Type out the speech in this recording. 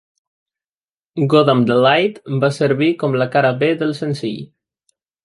"Goddamn the Light" va servir com la cara b del senzill.